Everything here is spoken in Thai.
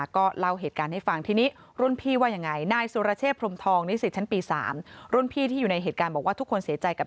ก็เลยสั่งให้ไปไม่ได้สั่งให้ไปว่ายน้ำ